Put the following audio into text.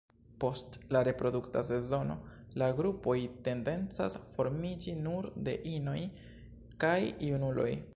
Post la reprodukta sezono la grupoj tendencas formiĝi nur de inoj kaj junuloj.